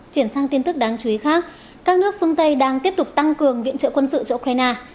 chuyển sang tin tức đáng chú ý khác các nước phương tây đang tiếp tục tăng cường viện trợ quân sự cho ukraine